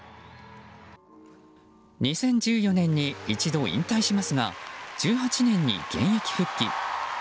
２０１４年に一度引退しますが１８年に現役復帰。